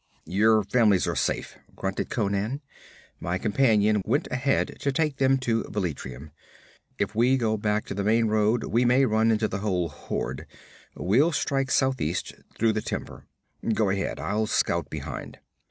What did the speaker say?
'Your families are safe,' grunted Conan. 'My companion went ahead to take them to Velitrium. If we go back to the main road we may run into the whole horde. We'll strike southeast, through the timber. Go ahead. I'll scout behind.'